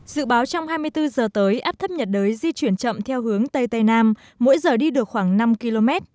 dự báo trong hai mươi bốn giờ tới áp thấp nhiệt đới di chuyển chậm theo hướng tây tây nam mỗi giờ đi được khoảng năm km